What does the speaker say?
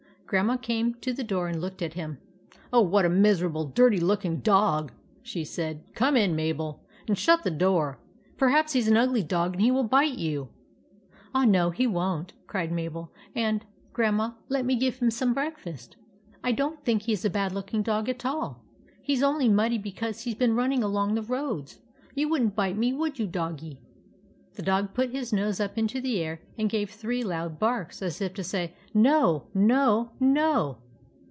Grandma came to the door and looked at him. " Oh, what a miserable, dirty looking dog !" she said. " Come in, Mabel, and shut the door. Perhaps he 's an ugly dog and will bite you." "Ah, no, he won't," cried Mabel. "And, 42 THE ADVENTURES OF MABEL Grandma, let me give him some breakfast. / don't think he 's a bad looking dog at all. He's only muddy because he's been run ning along the roads. You would n't bite me, would you, doggie ?" The dog put his nose up into the air and gave three loud barks, as if to say —" No ! No ! No